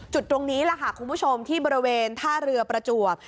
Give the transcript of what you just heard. จุดตรงนี้คุณผู้ชมที่บริเวณท่าเรือประจวบ